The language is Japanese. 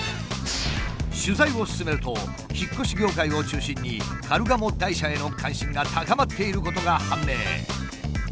取材を進めると引っ越し業界を中心にカルガモ台車への関心が高まっていることが判明。